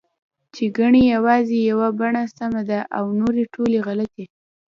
چې ګنې یوازې یوه بڼه سمه ده او نورې ټولې غلطې